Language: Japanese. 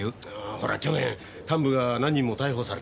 ほら去年幹部が何人も逮捕された。